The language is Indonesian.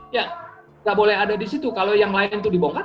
ya nggak boleh ada di situ kalau yang lain itu dibongkar